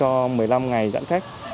và chúng tôi cũng sẽ giãn cách